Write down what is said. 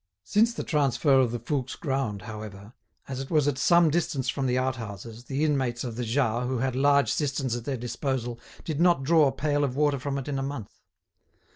Since the transfer of the Fouques' ground, however, as it was at some distance from the outhouses, the inmates of the Jas, who had large cisterns at their disposal, did not draw a pail of water from it in a month.